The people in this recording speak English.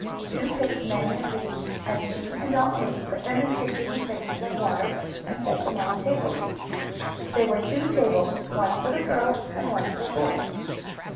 Sue picked many of these, and then she and Aunt Lu put them in pitchers and vases of water, and set them on the tables. There were two tables, one for the girls and one for the boys.